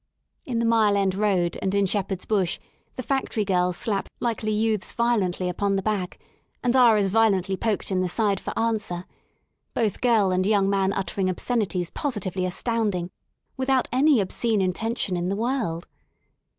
In the Mile End Road and in Shepherd's Bush the factory girls slap likely youths violently upon the back and are as violently poked in the side for answer, both girl and young man uttering obscenities positively astounding, without any obscene intention in the world.